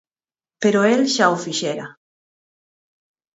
Pero el xa o fixera.